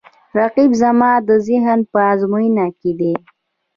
رقیب زما د زغم په ازموینه کې دی